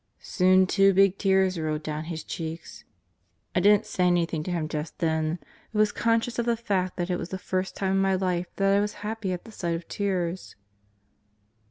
Soon two big tears rolled down his cheeks. I didn't say anything to him just then, but was conscious of the fact that it was the first time in my life that I was happy at the sight of tears.